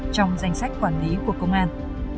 trong danh sách quản lý của công an